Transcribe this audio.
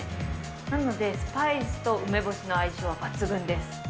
なので、スパイスと梅干しの相性は抜群です。